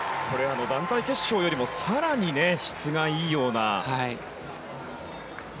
団体決勝よりも更に質がいいような。